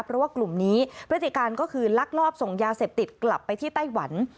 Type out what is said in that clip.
เพราะว่ากลุ่มนี้พฤติการก็คือลักลอบส่งยาเสพติดกลับไปที่ไต้หวัน